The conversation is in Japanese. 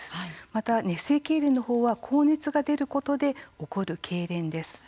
また、熱性けいれんのほうは高熱が出ることで起こるけいれんです。